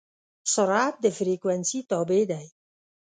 سرعت د فریکونسي تابع دی.